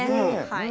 はい。